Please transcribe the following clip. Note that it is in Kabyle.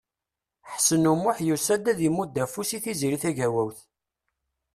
Ḥsen U Muḥ yusa-d ad imudd afus i Tiziri Tagawawt.